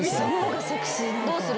どうする？